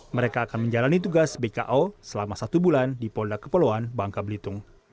mereka akan menjalani tugas bko selama satu bulan di polda kepulauan bangka belitung